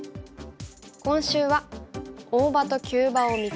今週は「大場と急場を見極めろ」。